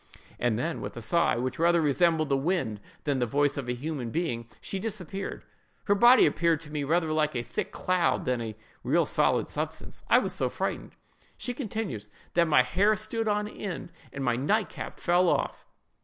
and then with a sigh, which rather resembled the wind than the voice of a human being, she disappeared. Her body appeared to me rather like a thick cloud than a real solid substance. I was so frightened," she continues, "that my hair stood on end, and my night cap fell off.